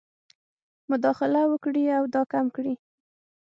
مداخله وکړي او دا کم کړي.